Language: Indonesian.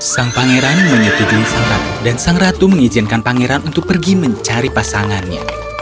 sang pangeran menyetujui sang ratu dan sang ratu mengizinkan pangeran untuk pergi mencari pasangannya